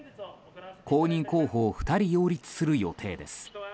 公認候補を２人擁立する予定です。